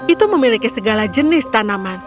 itu memiliki segala jenis tanaman